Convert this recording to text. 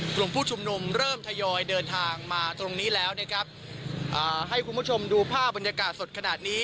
กลุ่มผู้ชุมนุมเริ่มทยอยเดินทางมาตรงนี้แล้วนะครับอ่าให้คุณผู้ชมดูภาพบรรยากาศสดขนาดนี้